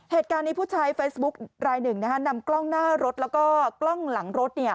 เหตุการณ์นี้ผู้ใช้เฟซบุ๊คลายหนึ่งนะฮะนำกล้องหน้ารถแล้วก็กล้องหลังรถเนี่ย